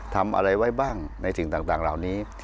ทำอะไรไว้บ้างในสิ่งต่างเหล่านี้